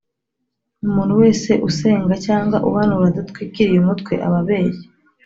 Umuntu wese usenga cyangwa uhanura adatwikiriye umutwe aba abeshya